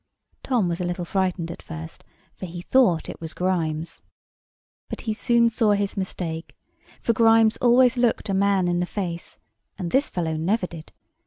Tom was a little frightened at first; for he thought it was Grimes. But he soon saw his mistake: for Grimes always looked a man in the face; and this fellow never did.